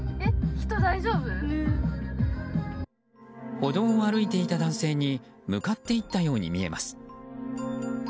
歩道を歩いていた男性に向かっていったように見えます。